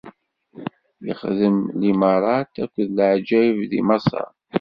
Ixdem limaṛat akked leɛǧayeb di Maṣer.